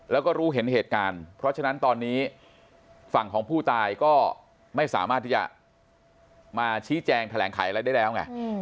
แล้วก็รู้เห็นเหตุการณ์เพราะฉะนั้นตอนนี้ฝั่งของผู้ตายก็ไม่สามารถที่จะมาชี้แจงแถลงไขอะไรได้แล้วไง